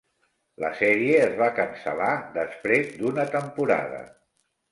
La sèrie es va cancel·lar després d'una temporada.